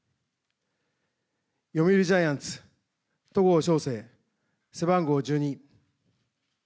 読売ジャイアンツ戸郷翔征、背番号１２。